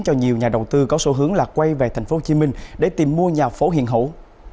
cho nhiều nhà đầu tư có số hướng lạc quay về thành phố hồ chí minh để tìm mua nhà phố hiện hữu